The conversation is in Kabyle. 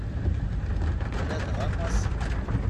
Ladɣa Massi.